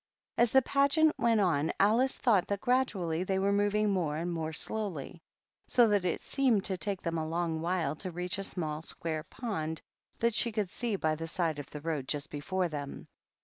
As the Pageant went on Alice thought that gradually they were moving more and more slowly, so that it seemed to take them a long while to reach a small square pond that she could see by the side of the road just before them.